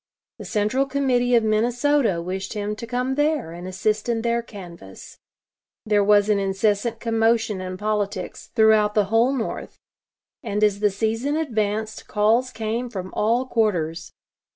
The Central Committee of Minnesota wished him to come there and assist in their canvass. There was an incessant commotion in politics throughout the whole North, and as the season advanced calls came from all quarters.